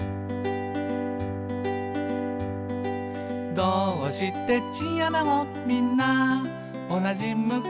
「どーうしてチンアナゴみんなおなじ向き？」